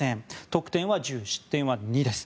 得点は１０、失点は２です。